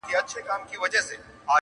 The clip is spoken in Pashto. نن به ښکلي ستا په نوم سي ګودرونه،